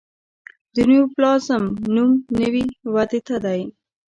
د نیوپلازم نوم نوي ودې ته دی.